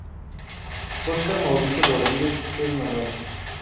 Oscar Mauricio Rodríguez es "Manuel".